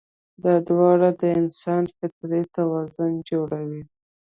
دا دواړه د انسان فطري توازن جوړوي.